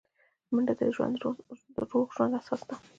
منډه د روغ ژوند اساس ده